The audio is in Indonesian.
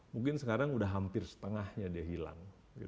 mungkin sekarang sudah hampir setengahnya dia hilang